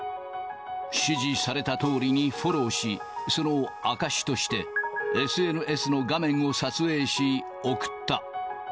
指示されたとおりにフォローし、その証しとして、ＳＮＳの画面を撮影し、送った。